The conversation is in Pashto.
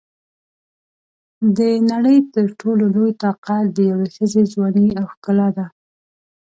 د نړۍ تر ټولو لوی طاقت د یوې ښځې ځواني او ښکلا ده.